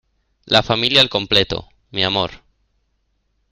la familia al completo. mi amor,